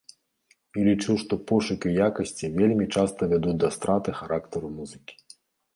І лічу, што пошукі якасці вельмі часта вядуць да страты характару музыкі.